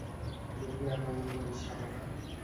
লুকিয়ে আক্রমণ করিস, শালারা!